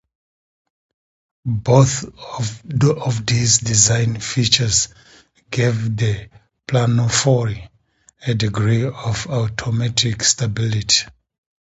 Both of these design features gave the planophore a degree of automatic stability.